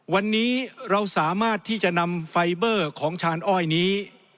วันนี้เราสามารถที่จะนำไฟเบอร์ของชาญอ้อยนี้